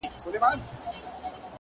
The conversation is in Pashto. چې د ږمنځ غوندې ئې زړۀ اره اره شي